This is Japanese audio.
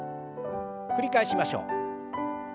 繰り返しましょう。